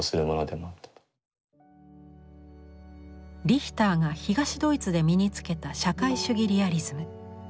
リヒターが東ドイツで身につけた社会主義リアリズム。